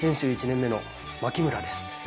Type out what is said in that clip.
１年目の牧村です